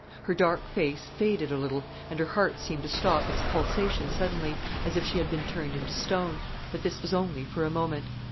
Her dark face faded a little, and her heart seemed to stop its pulsation suddenly, as if she had been turned into stone; but this was only for a moment.